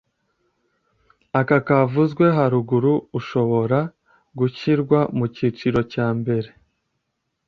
Aka kavuzwe haruguru ushobora gushyirwa mu cyiciro cya mbere